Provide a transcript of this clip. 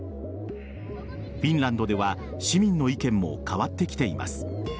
フィンランドでは市民の意見も変わってきています。